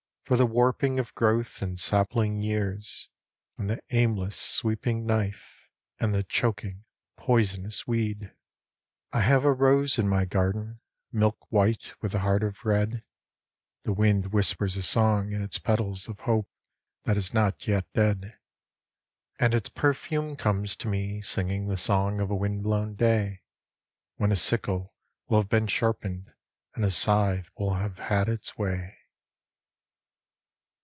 For the warping of growth in sapling years, And the aimless sweeping knife, And the choking, poisonous weed. 61 IN THE NET OF THE STARS I have a rose in my garden, milk white with a heart of red ; The wind whispers a song in its petals of hope that is not yet dead ; And its perfume comes to me singing the song of a wind blown day, When a sickle will have been sharpened and a scythe will have had its way.